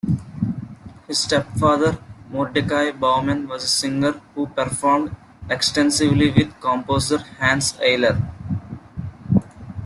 His stepfather Mordecai Bauman was a singer who performed extensively with composer Hanns Eisler.